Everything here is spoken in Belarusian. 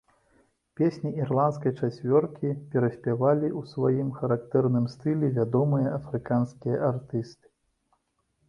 Песні ірландскай чацвёркі пераспявалі ў сваім характэрным стылі вядомыя афрыканскія артысты.